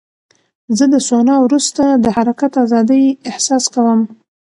زه د سونا وروسته د حرکت ازادۍ احساس کوم.